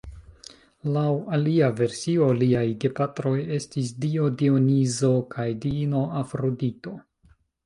Laŭ alia versio liaj gepatroj estis dio Dionizo kaj diino Afrodito.